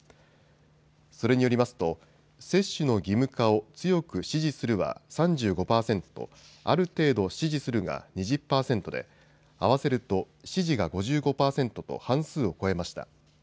それによりますと接種の義務化を強く支持するは３５％、ある程度、支持するが２０％で合わせると支持が５５％と半数を超えました。